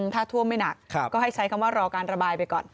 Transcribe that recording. ถ้าท่วมไม่หนักก็ให้ใช้คำว่ารอการระบายไปก่อน